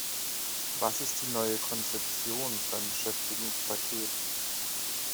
Was ist die neue Konzeption beim Beschäftigungspaket?